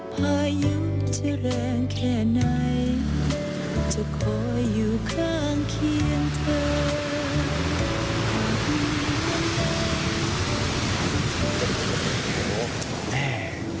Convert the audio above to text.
พายุจะแรงแค่ไหนจะคอยอยู่ข้างเคียงเธอ